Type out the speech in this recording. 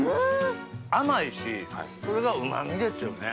甘いしこれがうまみですよね。